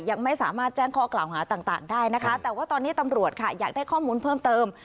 ยังไม่สามารถแจ้งข้อกล่าวหาต่างได้นะคะแต่ว่าตอนนี้ตำรวจค่ะอยากได้ข้อมูลเพิ่มเติม